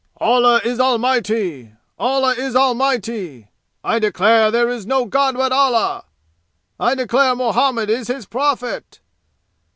Allah is Almighty! Allah is Almighty! I declare there is no God but Allah! I declare Muhammad is his prophet!